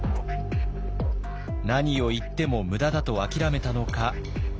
何を言っても無駄だと諦めたのか。